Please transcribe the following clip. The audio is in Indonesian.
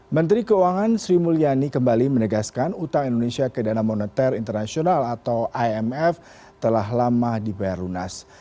menteri keuangan sri mulyani kembali menegaskan utang indonesia ke dana moneter internasional atau imf telah lama dibayar lunas